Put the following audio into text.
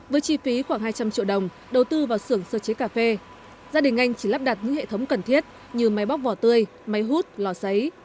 với chi phí khoảng hai trăm linh triệu đồng đầu tư vào sưởng sơ chế cà phê gia đình anh chỉ lắp đặt những hệ thống cần thiết như máy bóc vỏ tươi máy hút lò xáy